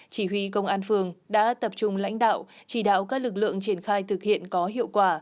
chỉ huy công an phường đã tập trung lãnh đạo chỉ đạo các lực lượng triển khai thực hiện có hiệu quả